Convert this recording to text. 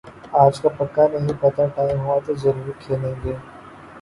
آج کا پکا نہیں پتا، ٹائم ہوا تو زرور کھیلیں گے۔